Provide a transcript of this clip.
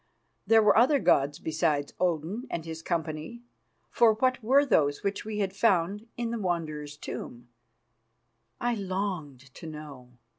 There were other gods besides Odin and his company, for what were those which we had found in the Wanderer's tomb? I longed to know.